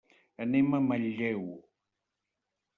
Anem a Manlleu.